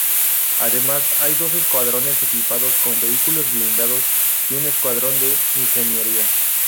Además, hay dos escuadrones equipados con vehículos blindados y un escuadrón de ingeniería.